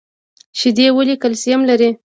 شیدې ولې کلسیم لري؟